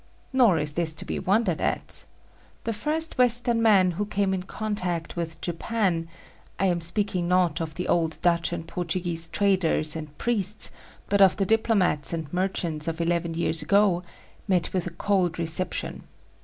Nor is this to be wondered at. The first Western men who came in contact with Japan I am speaking not of the old Dutch and Portuguese traders and priests, but of the diplomatists and merchants of eleven years ago met with a cold reception.